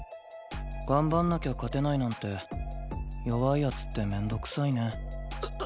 頑張んなきゃ勝てないなんて弱い奴って面倒くさいね。